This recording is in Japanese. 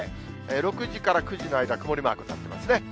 ６時から９時の間、曇りマークになってますね。